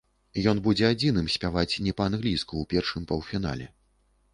Ён будзе адзіным спяваць не па-англійску ў першым паўфінале.